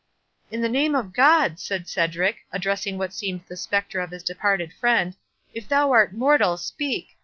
"In the name of God!" said Cedric, addressing what seemed the spectre of his departed friend, "if thou art mortal, speak!